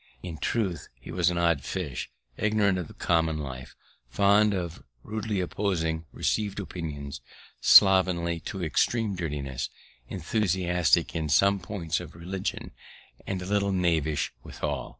In truth, he was an odd fish; ignorant of common life, fond of rudely opposing receiv'd opinions, slovenly to extream dirtiness, enthusiastic in some points of religion, and a little knavish withal.